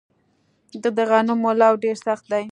د غنمو لوو ډیر سخت دی